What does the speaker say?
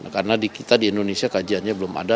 karena kita di indonesia kajiannya belum ada